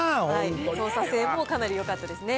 操作性もかなりよかったですね。